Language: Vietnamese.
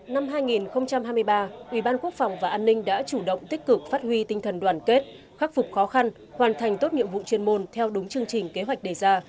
năm hai nghìn hai mươi ba ủy ban quốc phòng và an ninh đã chủ động tích cực phát huy tinh thần đoàn kết khắc phục khó khăn hoàn thành tốt nhiệm vụ chuyên môn theo đúng chương trình kế hoạch đề ra